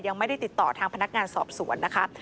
ยังไม่ได้ติดต่อทางพนักงานสอบสวนนะคะ